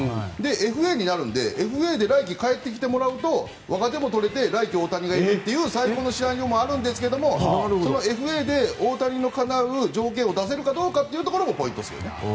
ＦＡになるのでＦＡで来季、帰ってきてもらうと若手も取れて来期大谷がいるという最高のシナリオがあるんですがそのＦＡで大谷のかなう条件を出せるかもポイントですよね。